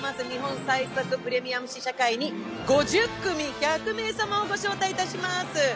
日本最速プレミアム試写会に５０組１００名をご招待します。